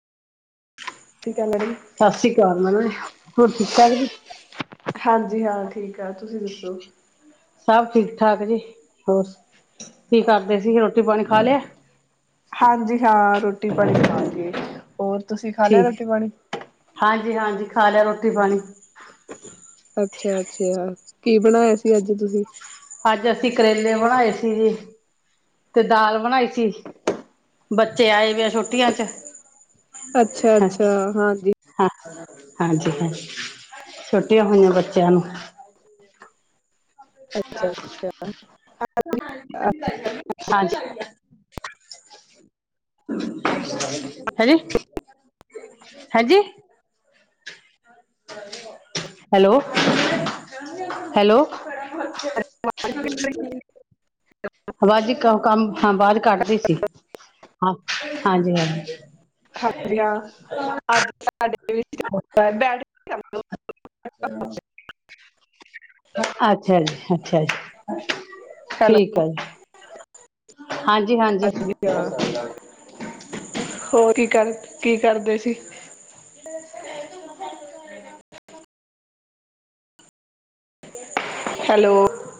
ਠੀਕ ਆ ਮੈਡਮ। ਸਤਿ ਸ੍ਰੀ ਅਕਾਲ ਮੈਡਮ ਜੀ, ਹੋਰ ਠੀਕ ਠਾਕ ਜੀ? ਹਾਂਜੀ ਹਾਂ ਠੀਕ ਆ ਤੁਸੀਂ ਦੱਸੋ। ਸਭ ਠੀਕ-ਠਾਕ ਜੀ ਹੋਰ ਕੀ ਕਰਦੇ ਸੀ ਰੋਟੀ-ਪਾਨੀ ਖਾਲੇਆ ਹਾਂਜੀ ਹਾਂ ਰੋਟੀ-ਪਾਨੀ ਖਾਕੇ ਹੋਰ ਤੁਸੀਂ ਖਾ ਲੇਆ ਠੀਕ, ਰੋਟੀ-ਪਾਨੀ। ਹਾਂਜੀ, ਹਾਂਜੀ ਖਾ ਲੇਆ ਰੋਟੀ-ਪਾਨੀ। [inaudible] ਅੱਛਾ, ਅੱਛਾ ਕੀ ਬਣਾਇਆ ਸੀ ਅੱਜ ਤੁਸੀਂ? ਅੱਜ ਅਸੀਂ ਕਰੇਲੇ ਬਣਾਏ ਸੀ ਜੀ। ਤੇ ਦਾਲ ਬਨਾਈ ਸੀ ਬੱਚੇ ਆਏ ਵੀ ਆ ਛੂਟੀਆ 'ਚ ਹਾਂ ਅੱਛਾ-ਅੱਛਾ ਹਾਂਜੀ। ਹਾਂ ਹਾਂਜੀ ਹਾਂਜੀ ਛੁਟੀਆਂ ਹੋਈਆਂ ਬੱਚੇਆਂ ਨੂੰ ਅੱਛਾ ਦੱਸ ਅੱਛਾ ਕੌਣ [unintelligible] ਹਾਂਜੀ। ਹੈਜੀ, ਹੈਜੀ। Hello hello. ਵਾਜ਼ ਕੰਮ ਆ ਬਾਅਦ ਕੱਢਦੇ ਸੀ, ਹਾਂ, ਹਾਂਜੀ, ਹਾਂਜੀ ਹਾਂਜੀ ਹਾਂ ਅੱਜ ਸਾਡੇ ਬੈ [unintelligible] ਹਾ ਅੱਛਾ ਜੀ, ਅੱਛਾ ਜੀ। ਹੈਲੋ ਠੀਕ ਆ ਜੀ, ਹਾਂਜੀ, ਹਾਂਜੀ। ਹੋਰ ਕੀ ਕਰ, ਕੀ ਕਰਦੇ ਸੀ। ਫ [unintelligible] ਹੈਲੋ